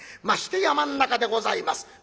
まして山ん中でございます。